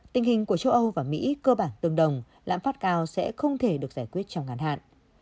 tình hình của châu âu và mỹ cơ bản tương đồng lãm phát cao sẽ không thể được giải quyết trong ngắn hạn